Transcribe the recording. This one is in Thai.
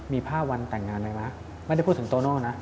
มีภาพวันแต่งงานไหมวะไม่ได้พูดถึงโตโน่นะ